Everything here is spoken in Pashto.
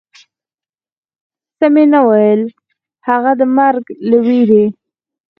څه مې و نه ویل، هغه د مرګ له وېرې.